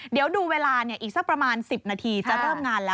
เดี๋ยวดูเวลาอีกสักประมาณ๑๐นาทีจะเริ่มงานแล้ว